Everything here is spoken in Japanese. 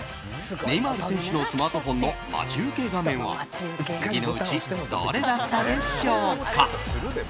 ネイマール選手のスマートフォンの待ち受け画面は次のうち、どれだったでしょうか。